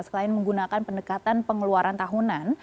selain menggunakan pendekatan pengeluaran tahunan